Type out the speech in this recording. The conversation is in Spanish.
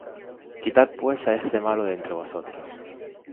quitad pues á ese malo de entre vosotros.